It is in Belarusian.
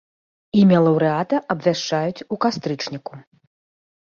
Імя лаўрэата абвяшчаюць у кастрычніку.